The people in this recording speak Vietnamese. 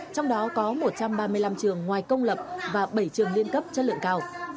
trong đó có một trăm ba mươi năm trường ngoài công lập và bảy trường liên cấp chất lượng cao